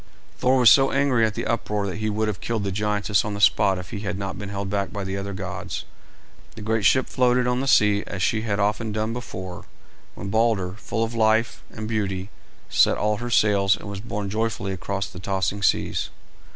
Thor was so angry at the uproar that he would have killed the giantess on the spot if he had not been held back by the other gods. The great ship floated on the sea as she had often done before, when Balder, full of life and beauty, set all her sails and was borne joyfully across the tossing seas.